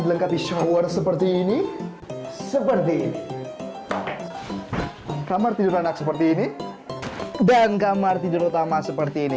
dilengkapi shower seperti ini seperti kamar tidur anak seperti ini dan kamar tidur utama seperti ini